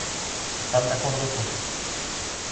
¿Están de acordo todos?